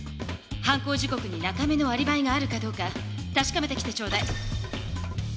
犯行時刻に中目のアリバイがあるかどうかたしかめてきてちょうだい。